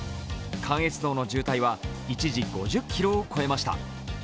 関越道の渋滞は一時、５０ｋｍを超えました。